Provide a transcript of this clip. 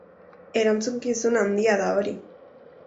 Erantzukizun handia da hori!